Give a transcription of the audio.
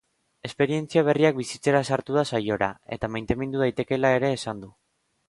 Esperientzia berriak bizitzera sartu da saiora, eta maitemindu daitekeela ere esan du.